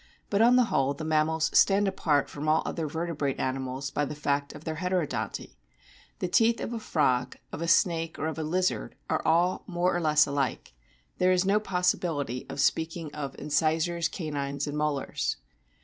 But on the whole the mammals stand apart from all other vertebrate animals by the fact of their Heterodonty. The teeth of a frog, of a snake, or of a lizard, are all more or less alike ; there is no possibility of speaking of SOME INTERNAL STRUCTURES 69 incisors, canines, and molars.